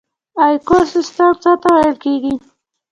ایکوسیستم څه ته ویل کیږي